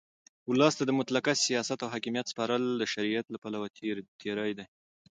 اولس ته د مطلقه سیاست او حاکمیت سپارل د شریعت له پلوه تېرى دئ.